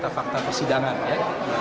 fakta fakta persidangan ya